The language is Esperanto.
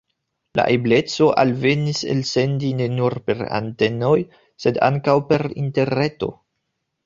La ebleco alvenis elsendi ne nur per antenoj, sed ankaŭ per Interreto.